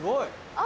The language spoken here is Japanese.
あ！